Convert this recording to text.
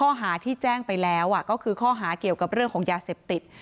ข้อหาที่แจ้งไปแล้วก็คือข้อหาเกี่ยวกับเรื่องของยาเสพติด